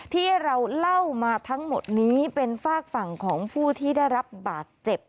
ที่เราเล่ามาทั้งหมดนี้เป็นฝากฝั่งของผู้ที่ได้รับบาดเจ็บ